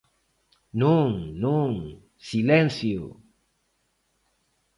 Non, non, ¡silencio!